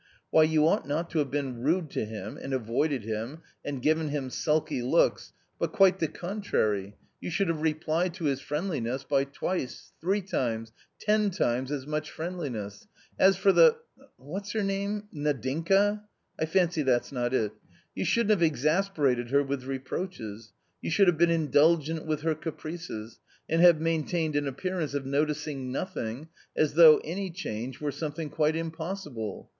"Why, you ought not to have been rude to him, and avoided him, and given him sulky looks but, quite the contrary, you should have replied to his friendliness by twice, three times, ten times as much friendliness; as for the — what's her name — Nadinka ? I fancy that's not it — you shouldn't have exasperated her with reproaches, you should have been indulgent with her caprices, and have maintained an appearance of noticing nothing, as though any change were something quite impossible.